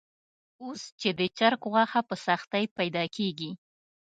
اوس چې د چرګ غوښه په سختۍ پیدا کېږي.